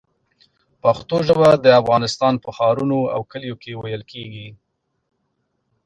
پښتو ژبه د افغانستان په ښارونو او کلیو کې ویل کېږي.